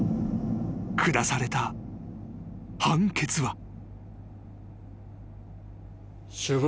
［下された判決は］